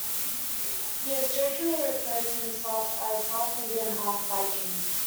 He has jokingly referred to himself as "Half Indian, half Viking".